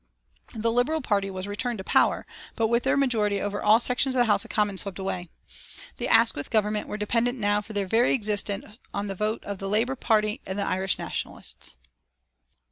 The Liberal Party was returned to power, but with their majority over all sections of the House of Commons swept away. The Asquith Government were dependent now for their very existence on the votes of the Labour Party and the Irish Nationalists.